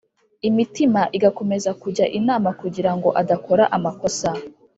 Imitima igakomeza kujya inama kugirango adakora amakosa